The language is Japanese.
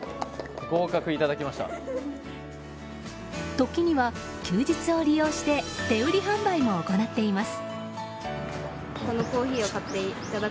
時には休日を利用して手売り販売も行っています。